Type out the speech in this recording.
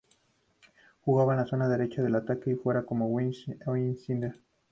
Jugaba en la zona derecha del ataque, ya fuera como "wing" o "insider".